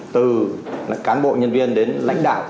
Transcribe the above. từ cán bộ nhân viên đến lãnh đạo